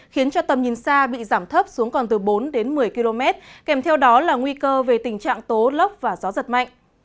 khiến cho tầm nhìn xa bị giảm thấp xuống còn từ bốn đến một mươi km kèm theo đó là nguy cơ về tình trạng tố lốc và gió giật mạnh